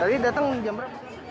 tadi datang jam berapa